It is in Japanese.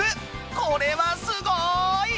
これはすごい！